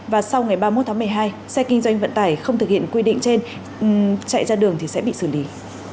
và sau ngày ba mươi một tháng một mươi hai xe kinh doanh vận tải không thực hiện quy định trên chạy ra đường thì sẽ bị xử lý